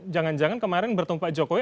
jangan jangan kemarin bertemu pak jokowi